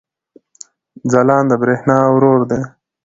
ځلاند د برېښنا ورور دی